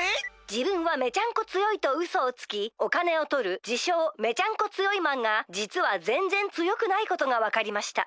「じぶんはめちゃんこ強いとうそをつきおかねをとるじしょうめちゃんこ強いマンがじつはぜんぜん強くないことがわかりました」。